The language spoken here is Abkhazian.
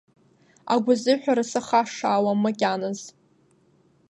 Агәазыҳәара сахашшауам макьаназ.